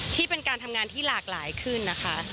ที่เป็นการทำงานที่หลากหลายขึ้นนะคะ